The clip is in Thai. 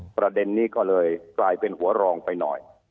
ประเด็นนี้ก็เลยกลายเป็นหัวรองไปหน่อย